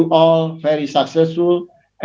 dan saya harap kalian semua